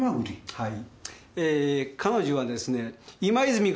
はい。